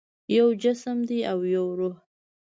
یو جسم دی او یو روح